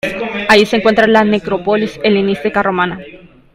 Allí se encuentra la necrópolis helenística romana.